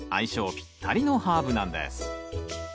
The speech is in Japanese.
ぴったりのハーブなんです。